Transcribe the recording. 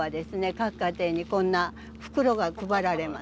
各家庭にこんな袋が配られます。